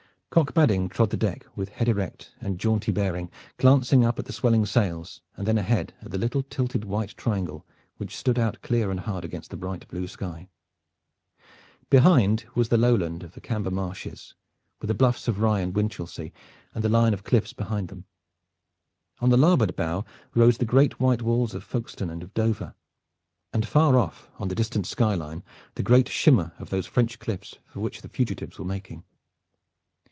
Cock Badding trod the deck with head erect and jaunty bearing, glancing up at the swelling sails and then ahead at the little tilted white triangle, which stood out clear and hard against the bright blue sky. Behind was the lowland of the Camber marshes, with the bluffs of Rye and Winchelsea, and the line of cliffs behind them. On the larboard bow rose the great white walls of Folkestone and of Dover, and far on the distant sky line the gray shimmer of those French cliffs for which the fugitives were making.